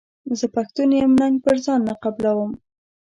زه پښتون یم ننګ پر ځان نه قبلووم.